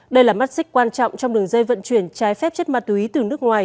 đây là mắt xích quan trọng trong đường dây vận chuyển trái phép chất ma túy từ nước ngoài